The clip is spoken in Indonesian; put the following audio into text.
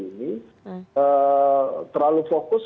ini terlalu fokus